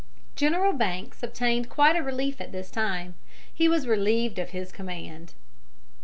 General Banks obtained quite a relief at this time: he was relieved of his command.